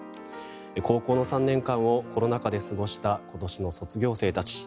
高校の３年間を、コロナ禍で過ごした今年の卒業生たち。